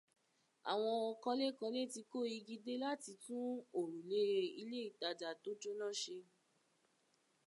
Àwọn Kanlékanlé ti kó igi dé láti tún òrùlé ilé ìtajà tó jóná ṣe.